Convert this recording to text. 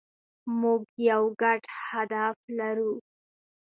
موږ یو ګډ هدف لرو.